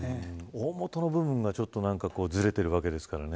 大元の部分がずれているわけですからね。